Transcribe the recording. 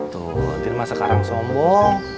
tuh entin mah sekarang sombong